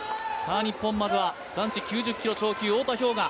まずは男子９０キロ超級、太田彪雅。